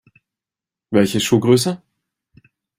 Welche Schuhgröße?